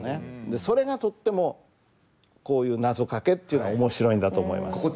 でそれがとってもこういうなぞかけっていうのは面白いんだと思います。